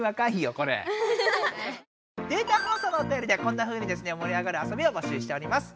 データ放送のおたよりではこんなふうにもり上がるあそびを募集しております。